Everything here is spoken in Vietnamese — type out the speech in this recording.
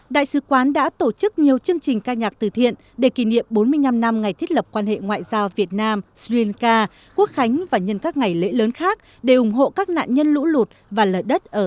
đại sứ quán đã tổ chức nhiều chương trình ca nhạc tử thiện để kỷ niệm bốn mươi năm năm ngày thiết lập quan hệ ngoại giao việt nam sri lanka quốc khánh và nhân các ngày lễ lớn khác để ủng hộ các nạn nhân lũ lụt và lở đất ở